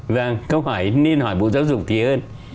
vâng câu hỏi nên hỏi bộ giáo dục tí hơn